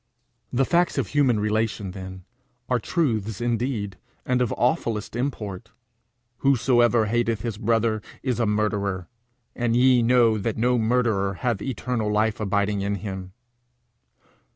The facts of human relation, then, are truths indeed, and of awfullest import. 'Whosoever hateth his brother is a murderer; and ye know that no murderer hath eternal life abiding in him!'